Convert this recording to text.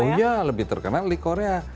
oh iya lebih terkenal di korea